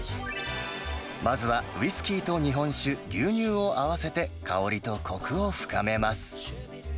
まずはウイスキーと日本酒、牛乳を合わせて香りとこくを深めます。